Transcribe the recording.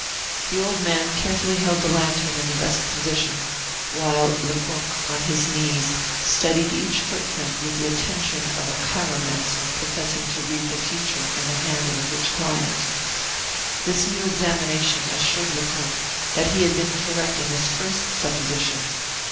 The old man carefully held the lantern in the best position, while Lecoq, on his knees, studied each footprint with the attention of a chiromancer professing to read the future in the hand of a rich client. This new examination assured Lecoq that he had been correct in his first supposition.